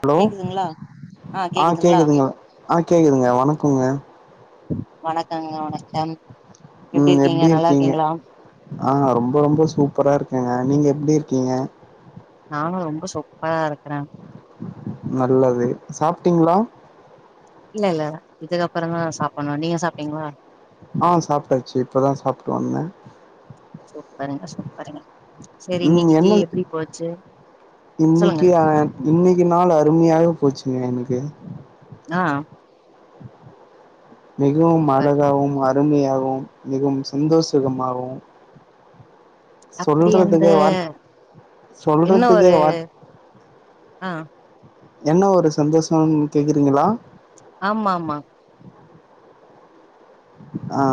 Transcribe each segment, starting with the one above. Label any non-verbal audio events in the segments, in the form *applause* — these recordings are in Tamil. ஹலோ கேக்குதுங்களா ஆ அ கேக்குதுங்களா கேக்குதுங்கோ ஆ கேக்குதுங்க வணக்குங்க வணக்கங்க வணக்கம் எப்டி இருக்கீங்க நல்லா இருக்கீங்களா அ ரொம்ப ரொம்ப சூப்பரா இருக்கேங்க நீங்க எப்டி இருக்கீங்க நானு ரொம்ப சூப்பரா இருக்கறே நல்லது சாப்பட்டீங்ளா இல்ல இல்ல இதுக்கப்புறந்தா சாப்பண்ணு நீங்க சாப்டீங்ளா அ சாப்ட்டாச்சு இப்பதா சாப்ட்டு வந்தே சூப்பருங்க சூப் செரி இன்னிக்கு டே எப்படி போச்சு சொல்லுங்க இன்னிக்கி அ இன்னிக்கி நாள் அருமையாக போச்சுங்க எனக்கு அ மிகவும் சூப்பர் அழகாகவும் அருமையாகவும் மிகவும் சந்தோஷகமாகவும் அப்படியாங்க சொல்றதுக்கு வார் இன்ன சொல்றதுக்கு ஒரு வார் அ என்ன ஒரு சந்தோஷம் கேக்குறீங்களா ஆமா ஆமா அ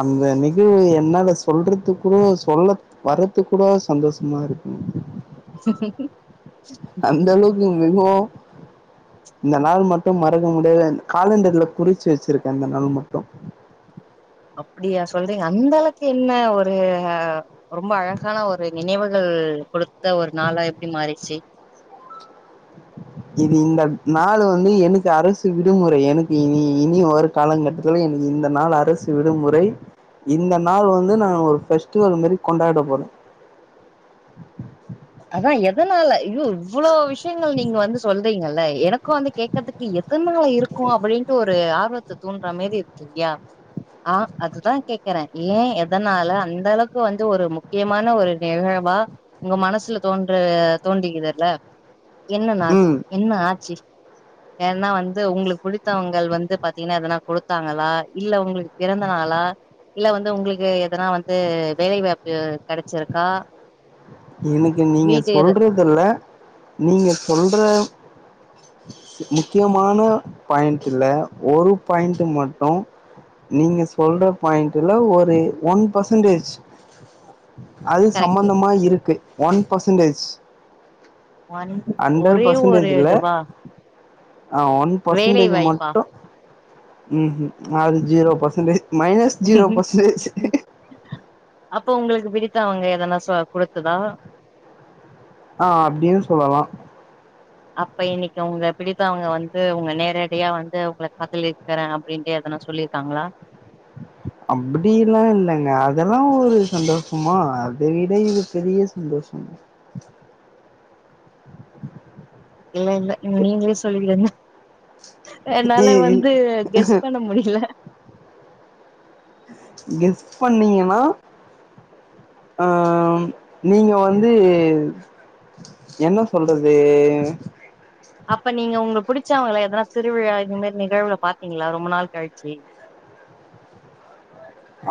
அந்த நிகழ்வு என்னால சொல்றதுக்கூடோ சொல்ல வரத்துக் கூட சந்தோஷ்மா இருக்குங் செ சக்கு அந்தளவுக்கு மிகவு இந்த நாள் மட்டு மறக்க முடியாத காலண்டர்ல குறிச்சு வெச்சிருக்கே இந்த நாள் மட்டு அப்படியா சொல்றீங்க அந்தளவுக் என்ன ஒரு அ ரொம்ப அழகான ஒரு நினைவுகள் குடுத்த ஒரு நாளா எப்டி மாறிச்சு இது இந்த நாளு வந்து எனக்குஅரசு விடுமுறை எனக்கு இனி இனி வரு காலங்கட்டத்துல எனக்கு இந்த நாள் அரசு விடுமுறை இந்த நாள் வந்து நா ஒரு ஃபெஸ்டிவல் மாரி கொண்டாட போறே அதா எதனால அய்யோ இவ்வளோ விஷயங்கள் நீங்க வந்து சொல்றீங்கல்ல எனக்கு வந்து கே க்கத்துக்கு எதனால இருக்கு அப்படின்ட்டு ஒரு ஆர்வத்த தூண்ற மேரி இருக்கில்யா ஆ அதுதா கேக்குறே ஏ எதனால அந்த அளவுக்கு வந்து ஒரு முக்கியமான ஒரு நிகழ்வா உங்க மனசுல தோன்ற தோன்றிக்குதுல என்ன நாள் ம் என்ன ஆச்சி ஏனா வந்து உங்களுக்கு புடித்தவங்கள் வந்து பாத்தீங்ன்னா எதனா குடுத்தாங்களா இல்ல உங்குளுக்கு பிறந்தநாளா இல்ல வந்து உங்களுக்கு எதனா வந்து வேலைவாய்ப்பு கெடச்சிருக்கா எனக்கு நீங்க வீட்டு எது சொல்றதுல்ல நீங்க சொல்ற முக்கியமான பாயிண்டுல ஒரு பாயிண்ட்டு மட்டு நீங்க சொல்ற பாயிண்ட்ல ஒரு ஒன் பெர்சன்டேஜ் அது கரெக்ட் சம்பந்தமா இருக்கு ஒன் பர்சன்டேஜ் ஒன் ஒரே ஒரே இதுவா ஆ ஒன் வேலை பர்சன்டேஜ் வாய்ப்பா மட்டு ம் ம் அது zero percentage minus zero percentage அப்போ உங்களுக்கு பிடித்தவங்க எதனா கொடுத்ததா ஆ அப்டியு சொல்லலா அப்ப இன்னைக்கு உங்க பிடித்தவங்க வந்து உங்க நேரடியா வந்து உங்க காதலிக்கிறே அப்டிண்ட்டு எதனா சொல்லிருக்காங்களா அப்டில்லா இல்லங்க அதெல்லா ஒரு சந்தோஷமா அத விட இது பெரிய சந்தோஷம் இல்ல இல்ல நீங்களே சொல்லிடுங்க என்னால வந்து கெஸ் பண்ண முடில கெஸ் பண்ணீங்கன்னா ஆ நீங்க வந்து என்ன சொல்றது அப்ப நீங்க உங்க புடிச்சவங்கள எதனா திருவிழா இது மேரி நிகழ்வுல பாத்தீங்ளா ரொம்ப நாள் கழிச்சி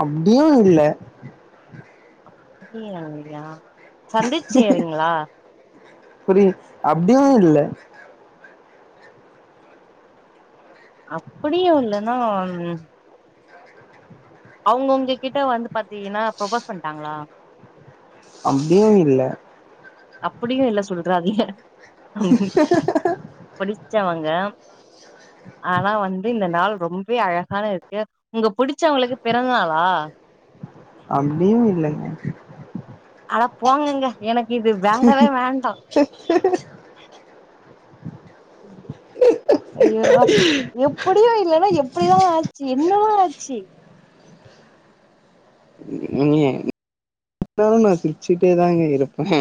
அப்டியு இல்ல அப்டியு இல்லயா சந்திச்சேறீங்ளா புரியிது அப்டிம் இல்ல அப்டியு இல்லனா ம் அவங்க உங்க கிட்ட வந்து பாத்தீங்கன்னா ப்ரொபோஸ் பண்ட்டாங்களா அப்டியு இல்ல அப்டியு இல்ல சொல்றாதிக புடிச்சவங்க ஆனா வந்து இந்த நாள் ரொம்பவே அழகான இருக்கு உங்க புடிச் ச்சவங்களுக்கு பிறந்தநாளா அப்டியு இல்லங்க அட போங்கங்க எனக்கு இது வேண்டவே வேண்டா *inaudible* ஐயோ எப்டியு இல்லனா எப்டிதா ஆச்சி என்னதா ஆச்சி நீங்க *unintelligible* நா சிரிச்சிட்டே தாங்க இருப்பே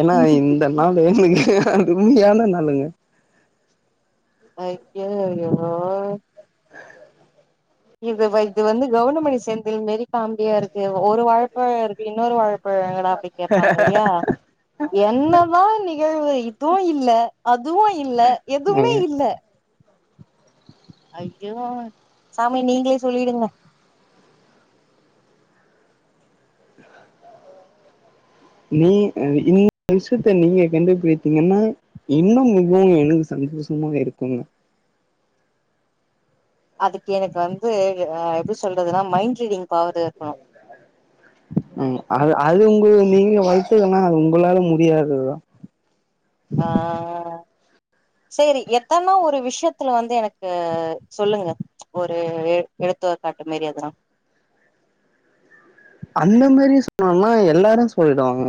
ஏன்னா இந்த நாளு *unintelligible* உண்மையான நாளுங்க அய்க்கோ எவ்ளோ இது இது வந்து கவுண்டமணி செந்தில் மாறி காமெடியா இருக்கு ஒரு வாழப்பழ இருக்கு இன்னொரு வாழப் பங்கடா அப்டி கேட்பாங்க இல்லயா என்னதா நிகழ்வு இதுவு இல்ல அதுவு இல்ல ஏங்க எதுமே இல்ல ஐயோ சாமி நீங்களே சொல்லிடுங்க நீ நீ இந்த விஷயத்த நீங்க கண்டுபிடித்தீங்கன்னா இன்னு மிகவு எனக்கு சந்தோஷமா இருக்குங்க அதுக்கு எனக்கு வந்து எப்டி சொல்றதுன்னா மைண்ட் ரீடிங் பவர் இருக்கணு ம் அது அது உங்க நீங்க வலிச்சதுனா அது உங்களால முடியாததுதா ஆ சேரி எத்தனா ஒரு விஷயத்துல வந்து எனக்கு சொல்லுங்க ஒரு எ எடுத்து காட்டு மாரி எதானா அந்த மாதிரி சொன்னோம்னா எல்லாரு சொல்லிடுவாங்க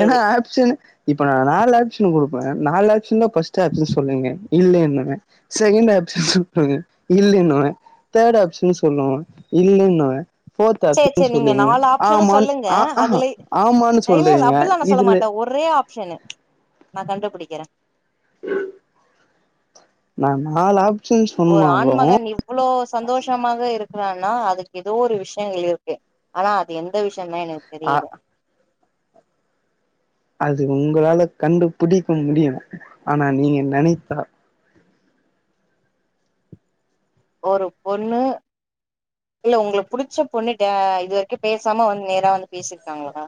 ஏன்னா ஆப்ஷன் இப்ப நா நாலு ஆப்ஷன் கொடுப்பே நாலு ஆப்ஷன் தா பர்ஸ்ட் ஆப்ஷன் சொல்லுங்க இதுலயு தான செகண்ட் ஆப்ஷன் சொல்லுங்க இல்லை தான தேர்ட் அப்ஷன் சொல்லு இல்லீன ஃபோர்த் சேரி ஆப்சன் சேரி நீங்க சொல்லுவீங்க நாலு ஆப்ஷனு ஆமான் சொல்லுங்க ஆ ஆஹா அதுல ஆமானு சொல் இல்ல இல்ல வீங்க அப்டில்லா நா சொல்ல இதுலே மாட்டே ஒரே ஆப்ஷனு நா கண்டுபிடிக்கிறே *inaudible* நா நாலு ஆப் ஒரு ஆண்மகன் இவ்வளோ சந்தோஷமாக இருக்கிறான்னா அதுக்கு ஏதோ ஒரு விஷ்யங்கள் இருக்கு ஆனா அது எந்த விஷியந்தா எனக்கு அ தெரியல அது உங்களால கண்டுபிடிக்க முடியு ஆனா நீங்க நனைத்தா ஒரு பொண்ணு இல்ல உங்களு புடிச்ச பொண்ணுட்ட இது வரைக்கு பேசாம வந் நேரா வந்து பேசிருக்காங்களா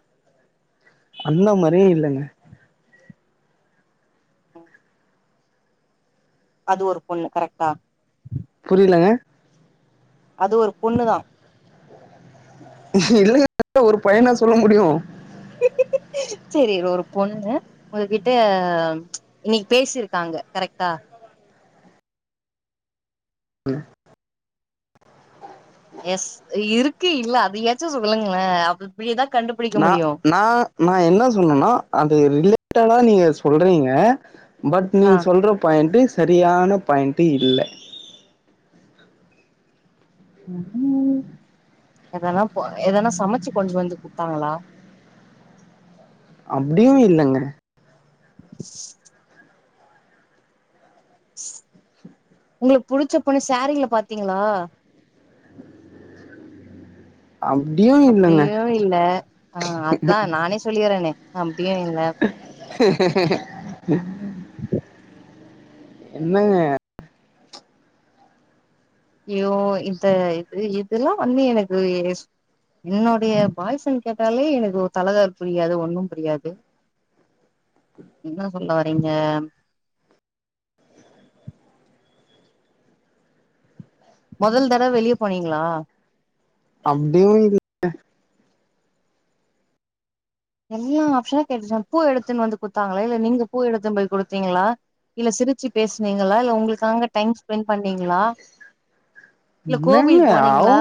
அந்த மாரியே இல்லங்க ம் அது ஒரு பொண்ணு கரெக்டா புரியலங்க அது ஒரு பொண்ணு தா இல்லங்க ஒரு பையனா சொல்ல முடியு *unintelligible* செரி ஒரு பொண்ணு உங்ககிட்ட இன்னைக்கு பேசிருக்காங்க கரெக்டா ம் எஸ் இருக்கு இல்ல அதயாச்சு சொல்லுங்களே அப்ப இப்டியேதா கண்டுபி நா நா நா என்ன சொன்னனா அது ரிலேட்டடா நீங்க சொல்றீங்க பட் ஆ நீங்க சொல்ற பாயிண்ட்டு செரியான பாயிண்டு இல்ல ம் ம் எதனா போ எதனா சமச்சு கொண்டு வந்து குடுத்தாங்களா அப்டியு இல்லங்க *inaudible* உங்களுக்கு புடிச்ச பொண்ணு சேரீல பாத்தீங்களா அப்டியு இல்லங்க அப்டியு இல்ல ஆ அதா நானே சொல்லிறேனே அப்டியு இல்ல *unintelligible* என்னங்க ஐயோ இந்த இது இதுலா வந்து எனக்கு யோ என்னுடைய பாய் ஃப்ரண்ட் கேட்டாலே எனக்கு ஒ தலக்கால் புரியாது ஒண்ணும் புரியாது என்ன சொல்ல வரீங்க மொதல் தட வெளிய போனீங்களா அப்டியு இல் எல்லா ஆப்ஷனு கேட்டுச்ச பூ எடுத்துன்னு வந்து குத்தாங்களா இல்ல நீங்க பூ எடுத்துன் போய் குடுத்தீங்களா இல்ல சிரிச்சி பேசுனீங்களா இல்ல உங்களுக்காங்க டைம் ஸ் பென் பண்ணீங்களா இல்ல கோவில் போனீங்களா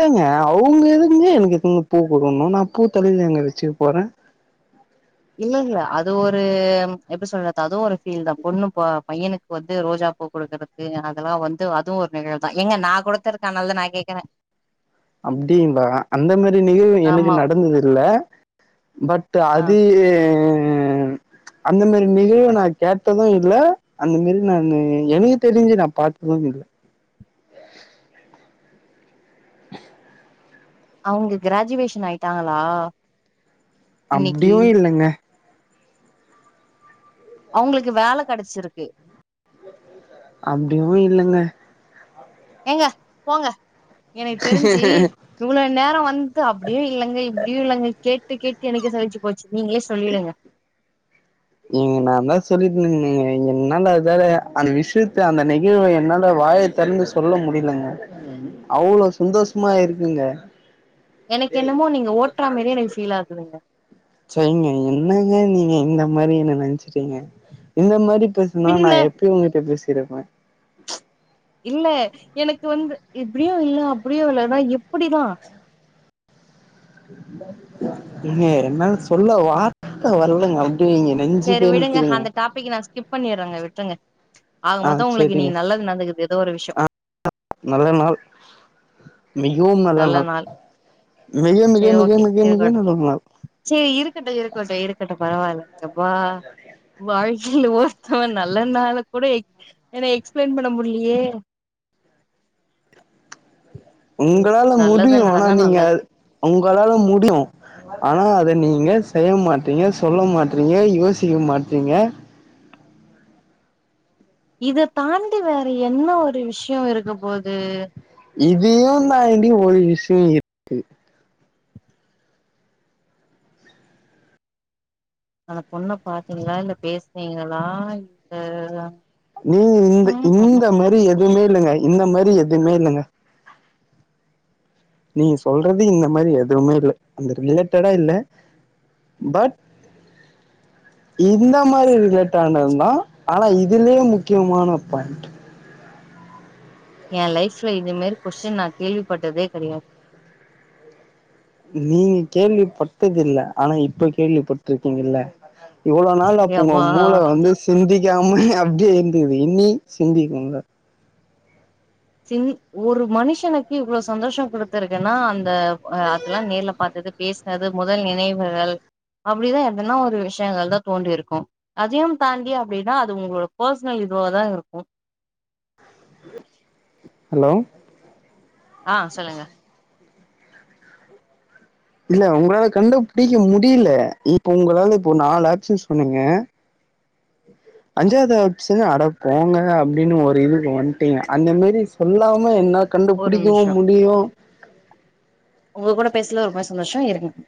ஏங்க அவங்க எதுக்குங்க எனக்கு பூ எத்து வந்து குடுக்கணு நா பூ தலைலயாங்க வச்சுக்க போறே இல்ல இல்ல அது ஒரு எப்டி சொல்லது அதுவு ஒரு ஃபீல் தா பொண்ணு போ பையனுக்கு வந்து ரோஜா பூ குடுக்குறக்கு அதெல்லா வந்து அதுவு ஒரு நிகழ் தா ஏங்க நா குடுத்தருக்கனாலதா நா கேக்குறே *inaudible* அப்டிங்களா அந்த மாரி நிகழ்வு எனக்கு ஆமா நடந்தது இல்ல பட் டு ஆ அது அந்த மாரி நிகழ்வு நா கேட்டதூ இல்ல அந்த மேரி நானு எனக்கு தெரிஞ்சு நா பாத்ததுமில்ல அவங்க கிராஜுவேஷன் ஆயிட்டாங்களா இன்னைக்கி அப்டியு இல்லங்க அவுங்களுக்கு வேல கெடைச்சிருக்கு அப்டியு இல்லங்க ஏங்க போங்க எனக்கு தெரிஞ்சு இவ்ளோ நேரோ வந்துட்டு அப்டியு இல்லங்க இப்டியு இல்லங்க கேட்டு கேட்டு எனக்கே சலுச்சு போச்சு நீங்களே சொல்லிடுங்க ஏங்க நா தா சொல்லிருந்தேங்க என்னால அதால அந்த விஷ்யத்த அந்த நெகிழ்வ என்னால வாய் தெறந்து சொல்ல முடியலங்க அவ்ளோ சந்தோஷமா இருக்குங்க எனக்கு என்னமோ நீங்க ஓட்டுற மேரியே எனக்கு ஃபீல் ஆகுதுங்க செய்ங்க என்னங்க நீங்க இந்த மாரி என்ன நெனைச்சிட்டீங்க இந்த மாரி பே இன்னோனா நா பின்ன எப்யோ உங்கிட்ட பேசியிருப்பே இல்ல எனக்கு வந்து இப்டியு இல்ல அப்டியு இல்லனா எப்பிடிதா ஏங்க என்னால சொல்ல வார்த்த வரலங்க அப்டிங்க நெஞ்சு கே நிக்குதுங்க இப்பதிக்கி நா ஸ்கிப் பண்ணிறேங்க விட்டுருங்க ஆக ஆ மொத்தோ உங்களுக்கு சேரிங்க இன்னிக்கி நல்லது நடந்துக்குது ஏதோ ஒரு விஷ்யோ ஆ நல்ல நாள் மிகவும் நல்ல நாள் மிக மிக மிக மிக மிக நல்ல நாள் சேரி இருக்கட்டு இருக்கட்டு இருக்கட்டு பரவாயில்ல எப்பா வாழ்க்கையில ஒருத்தவ நல்லனால கூட எக் எக்ஸ்பிளைன் பண்ண முடியலியே உங்களால முடியு நல்லது ஆனா நடந்தா நீங்க நல்லது உங்களால முடியு ஆனா அத நீங்க செய்ய மாட்றீங்க சொல்ல மாட்றீங்க யோசிக்க மாட்றீங்க இத தாண்டி வேற என்ன ஒரு விஷ்யோ இருக்க போது இதையு தாண்டி ஒரு விஷ்யோ இருக்கு அந்த பொண்ண பாத்தீங்களா இல்ல பேசுனீங்களா இல்ல நீங்க இந்த ம் ம் இந்த ம் மாரி எதுவுமே இல்லைங்க இந்த மாரி எதுவுமே இல்லைங்க நீங்க சொல்றது இந்த மாரி எதுவுமே இல்ல அந்த ரிலேட்டடா இல்ல பட் இந்த மாதிரி ரிலேட் ஆனது தா ஆனா இதுலயே முக்கியமான பாயிண்ட் என் லைஃப்ல இது மாரி கொஸ்டின் நா கேள்விப்பட்டதே கெடையாது நீங்க கேள்விப்பட்டதுல்ல ஆனா இப்ப கேள்விப்பட்டிருக்கீங்கல்ல இவ்ளோ நாள் அப்ப உங்க யப்பா மூள வளந்து சிந்திக்காம அப்டியே இருந்தது இனி சிந்திக்கும்ல சின் ஒரு மனுஷனுக்கு இவ்ளோ சந்தோஷ குடுத்தருக்குன்னா அந்த அதெல்லா நேர்ல பாத்தது பேச தாது முதல் நினைவுகள் அப்டிதா எதனா ஒரு விஷ்யங்கள் தா தோண்டியிருக்கு அதையு தாண்டி அப்டின்னா அது உங்களோட பர்சனல் இதுவ தா இருக்கும் ஹலோ ஆ சொல்லுங்க இல்ல உங்களால கண்டு புடிக்க முடியல இப்ப உங்களால இப்ப நாலு ஆப்சன்ஸ் சொன்னங்க அஞ்சாவது ஆப்ஷன் அடப்போங்கங்க அப்டின்னு ஒரு இதுக்கு வந்ட்டீங்க அந்த மேரி சொல்லாம என்ன ஒரு நிமிஷோ கண்டுபிடிக்கவும் முடியும் உங்க கூட பேசுனதுல ரொம்ப சந்தோஷோ இருங்க